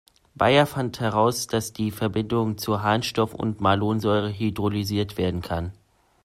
Baeyer fand heraus, dass die Verbindung zu Harnstoff und Malonsäure hydrolysiert werden kann.